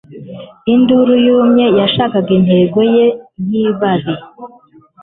induru yumye yashakaga intego ye yibabi